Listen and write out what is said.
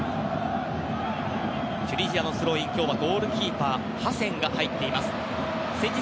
チュニジアは今日はゴールキーパーにハセンが入っています。